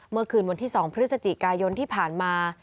เมื่อคืนวันที่๒พฤศจิกายนที่ผ่านมา